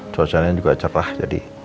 cuacanya juga cerah jadi